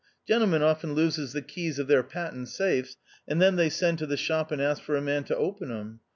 Gentlemen often loses the keys of their patent safes, and then they send to the shop and ask for a man to open 'em.